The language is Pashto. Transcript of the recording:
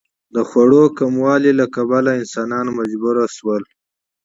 د خوړو کموالي له کبله انسانان مجبور شول.